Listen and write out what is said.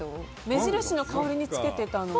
目印の代わりにつけてたのに。